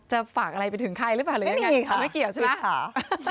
จะฝากอะไรไปถึงใครหรือเปล่าไม่มีค่ะติดฉา